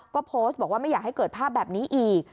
ก็โพสต์บอกว่าไม่อยากให้เกิดภาพแบบนี้อีก